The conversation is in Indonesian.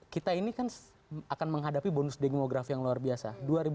kita ini kan akan menghadapi bonus demografi yang luar biasa